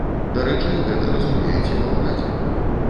Дарэчы, гэта разумеюць і ва ўрадзе.